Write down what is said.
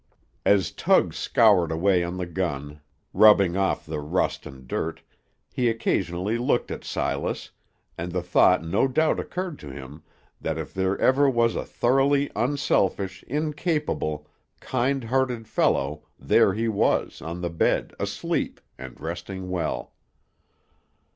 As Tug scoured away on the gun, rubbing off the rust and dirt, he occasionally looked at Silas, and the thought no doubt occurred to him, that if there ever was a thoroughly unselfish, incapable, kind hearted fellow, there he was, on the bed, asleep, and resting well.